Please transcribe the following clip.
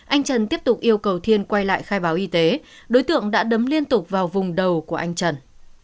anh trần tiếp tục yêu cầu thiên quay lại khai báo y tế đối tượng đã đấm liên tục vào vùng đầu của anh trần